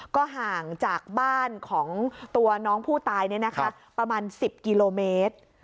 ก็ห่างจากบ้านของตัวน้องผู้ตายประมาณ๑๐กิโลเมตร